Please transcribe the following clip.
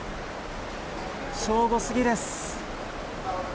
正午過ぎです。